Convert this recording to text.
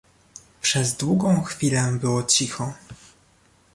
"Przez długą chwilę było cicho."